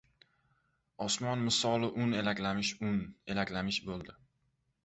Osmon misoli un elaklamish-un elaklamish bo‘ldi.